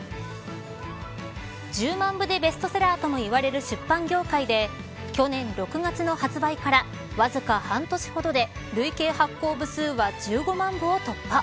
１０万部でベストセラーとも言われる出版業界で去年６月の発売からわずか半年ほどで累計発行部数は１５万部を突破。